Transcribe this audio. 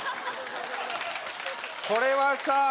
これはさあ